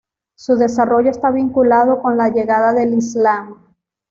Su desarrollo está vinculado con la llegada del Islam.